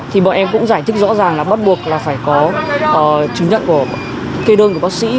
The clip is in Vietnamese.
thì bọn em cũng giải thích rõ ràng là bắt buộc là phải có chứng nhận của kê đơn của bác sĩ